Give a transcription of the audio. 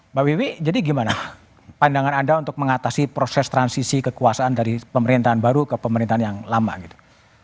mbak wiwi jadi gimana pandangan anda untuk mengatasi proses transisi kekuasaan dari pemerintahan baru ke pemerintahan yang lama gitu